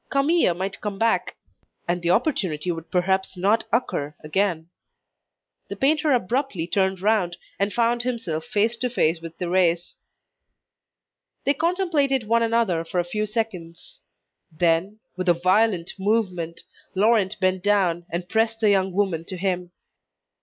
Camille might come back, and the opportunity would perhaps not occur again. The painter abruptly turned round, and found himself face to face with Thérèse. They contemplated one another for a few seconds. Then, with a violent movement, Laurent bent down, and pressed the young woman to him.